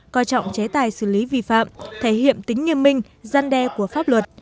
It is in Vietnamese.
coi trọng chế tài xử lý vi phạm thể hiện tính nghiêm minh gian đe của pháp luật